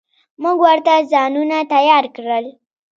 موږ ورته ځانونه تيار کړل.